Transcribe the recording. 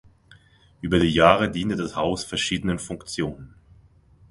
Über die Jahre diente das Haus verschiedenen Funktionen.